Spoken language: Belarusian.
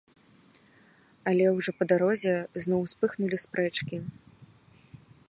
Але ўжо па дарозе зноў успыхнулі спрэчкі.